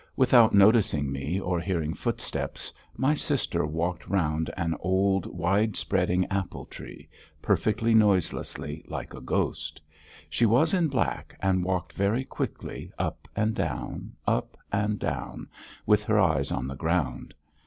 Without noticing me or hearing footsteps, my sister walked round an old wide spreading apple tree, perfectly noiselessly like a ghost. She was in black, and walked very quickly, up and down, up and down, with her eyes on the ground.